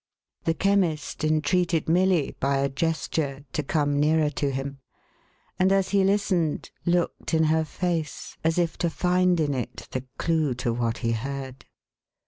The Chemist entreated Milly, by a gesture, to come w. uvr to him; and, as he listened, looked in her face, as if to find in it the clue to what he heard.